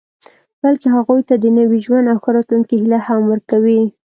بلکې هغوی ته د نوي ژوند او ښه راتلونکي هیله هم ورکوي